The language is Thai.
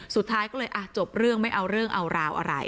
สุดท้ายก็เลยจบเรื่องไม่เอาเรื่องเอาราวอะไร